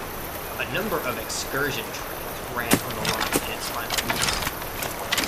A number of excursion trains ran on the line in its final weeks.